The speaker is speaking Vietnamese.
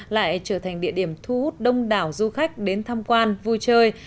lại trở thành địa điểm thu hút đông đảo du khách đến tham quan vui chơi